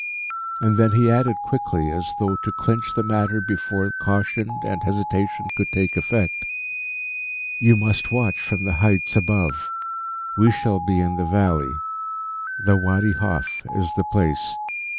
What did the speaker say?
And then he added quickly, as though to clinch the matter before caution and hesitation could take effect: "You must watch from the heights above. We shall be in the valley the Wadi Hof is the place.